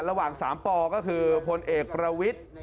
ระหว่างสามปอก็คือพลเอกประวิท